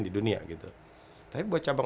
di dunia gitu tapi buat cabang